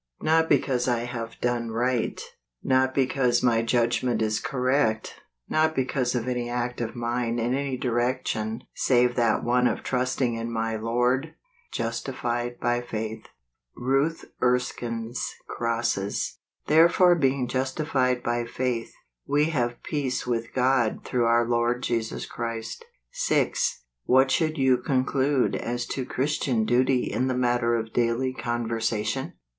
Not because I have done right; not because my judgment is correct; not because of any act of mine in any direc¬ tion save that one of trusting in my Lord, justified by faith! Until Erskine's Crosses. " Therefore being justified by faith, ice have peace with God through our Lord Jesus Christ ." 6. What should you conclude as to Christian duty in the matter of daily con¬ versation